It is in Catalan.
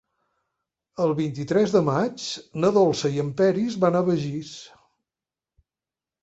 El vint-i-tres de maig na Dolça i en Peris van a Begís.